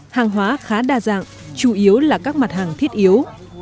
hàng hóa khá đa dạng chủ yếu là các mặt hàng thiết yếu